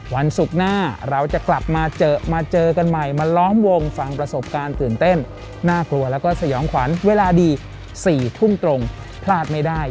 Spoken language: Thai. วันศุกร์หน้าเราจะกลับมาเจอมาเจอกันใหม่มาล้อมวงฟังประสบการณ์ตื่นเต้นน่ากลัวแล้วก็สยองขวัญเวลาดี๔ทุ่มตรงพลาดไม่ได้